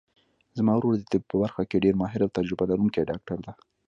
زما ورور د طب په برخه کې ډېر ماهر او تجربه لرونکی ډاکټر ده